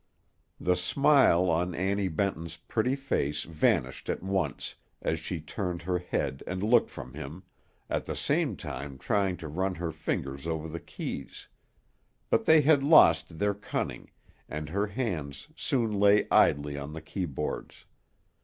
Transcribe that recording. The smile on Annie Benton's pretty face vanished at once, as she turned her head and looked from him, at the same time trying to run her fingers over the keys; but they had lost their cunning, and her hands soon lay idly on the keyboards.